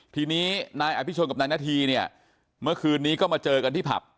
ทีนี้นายอภิชนกับนายนาธีเนี่ยเมื่อคืนนี้ก็มาเจอกันที่ผับ